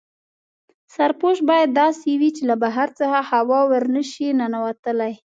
سرپوښ باید داسې وي چې له بهر څخه هوا ور نه شي ننوتلای.